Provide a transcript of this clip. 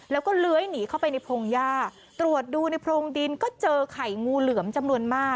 แล้วก็เลื้อยหนีเข้าไปในพงหญ้าตรวจดูในโพรงดินก็เจอไข่งูเหลือมจำนวนมาก